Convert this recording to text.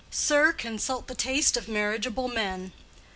Sir, consult the taste Of marriageable men.